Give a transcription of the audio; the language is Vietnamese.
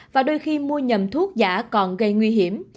và đôi khi mua nhầm thuốc giả còn gây nguy hiểm